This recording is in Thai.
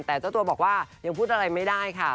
แต่เจ้าตัวบอกว่ายังพูดอะไรไม่ได้ค่ะ